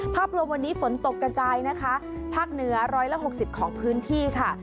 ภาพรวมวันนี้ฝนตกกระจายนะคะภาคเหนือ๑๖๐ของพื้นที่ค่ะ